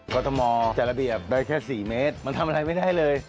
กรทมจัดระเบียบได้แค่๔เมตรมันทำอะไรไม่ได้เลย